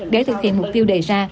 để thực hiện mục tiêu đề ra